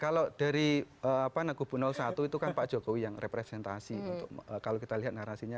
kalau dari kubu satu itu kan pak jokowi yang representasi untuk kalau kita lihat narasinya